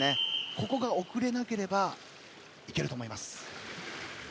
ここが遅れなければ行けると思います。